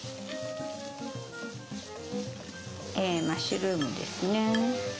マッシュルームですね。